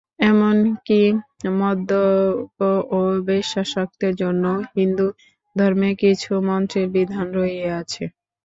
এমন কি, মদ্যপ ও বেশ্যাসক্তের জন্যও হিন্দুধর্মে কিছু মন্ত্রের বিধান রহিয়াছে।